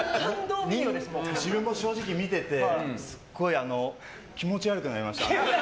自分も正直見てて気持ち悪くなりました。